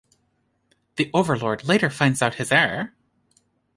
The overlord later finds out his error.